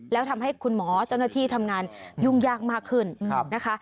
แล้วทำให้คุณหมอเจ้าหน้าที่ทำงานยุ่งยากมากขึ้นนะคะ